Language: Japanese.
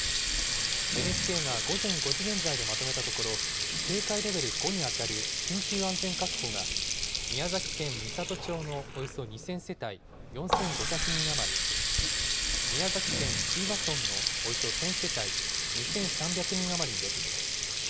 ＮＨＫが午前５時現在でまとめたところ、警戒レベル５に当たる緊急安全確保が、宮崎県美郷町のおよそ２０００世帯４５００人余り、宮崎県椎葉村のおよそ１０００世帯２３００人余りに出ています。